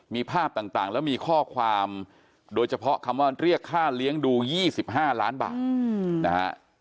มีภาพต่างแล้วมีข้อความโดยเฉพาะคำว่าเรียกค่าเลี้ยงดู๒๕ล้านบาทนะฮะ